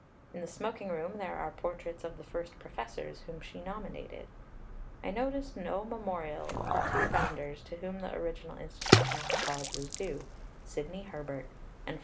In the smoking room there are portraits of the first professors whom she nominated. I noticed no memorial of the two founders to whom the original institution of the College was due Sidney Herbert and Florence Nightingale.